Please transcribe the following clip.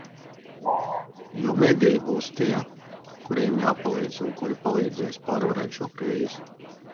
Jo mediji būs tie, kuriem jāpalīdz un kuri palīdzēs pārvarēt šo krīzi.